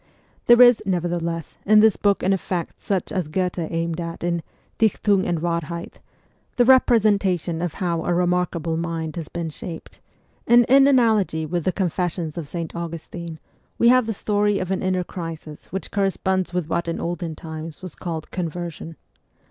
There is, nevertheless, in this book an effect such as Goethe aimed at in ' Dichtung und Wahrheit,' the representation of how a remarkable mind has been shaped ; and in analogy with the ' Confessions ' of St. Augustine, we have the story of an inner crisis which corresponds with what in olden times was called ' con version.'